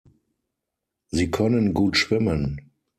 Sie können gut schwimmen.